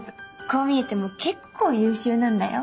こう見えても結構優秀なんだよ。